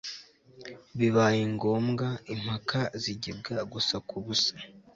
bibaye ngombwa impaka zigibwa gusa kubusa